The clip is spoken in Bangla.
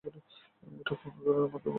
এটা কোন এক ধরনের মডেল মনে হচ্ছে!